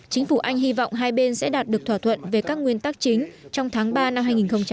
chính phủ anh hy vọng hai bên sẽ đạt được thỏa thuận về các nguyên tắc chính trong tháng ba năm hai nghìn hai mươi